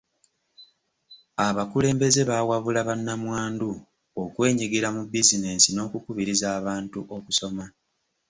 Abakulembeze baawabula bannamwandu okwenyigira mu bizinensi n'okukubiriza abantu okusoma.